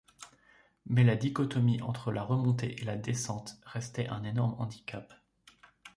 Mais la dichotomie entre la remontée et la descente restait un énorme handicap.